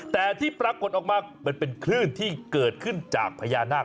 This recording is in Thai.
แต่ที่ปรากฏออกมามันเป็นคลื่นที่เกิดขึ้นจากพญานาค